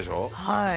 はい。